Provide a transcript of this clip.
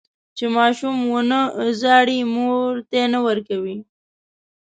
چې ماشوم ونه زړي، مور تی نه ورکوي.